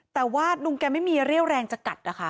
แต่ว่าลุงแกไม่มีเรี่ยวแรงจะกัดนะคะ